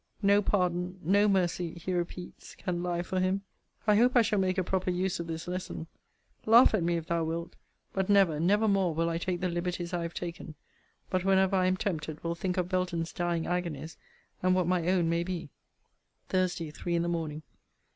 No pardon, no mercy, he repeats, can lie for him! I hope I shall make a proper use of this lesson. Laugh at me if thou wilt; but never, never more, will I take the liberties I have taken; but whenever I am tempted, will think of Belton's dying agonies, and what my own may be. THURSDAY, THREE IN THE MORNING.